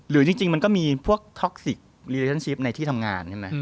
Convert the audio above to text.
หรือจริงมันก็มีพวกท็อกซิกรีเลชั่นชีพในที่ทำงาน